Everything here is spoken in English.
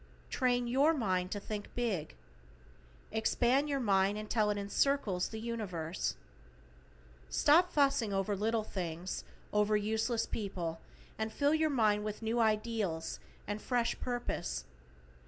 Train your mind to think big. Expand your mind until it encircles the universe. Stop fussing over little things, over useless people, and fill your mind with new ideals and fresh purpose.